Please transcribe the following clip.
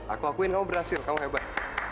aku akuin kamu berhasil kamu hebat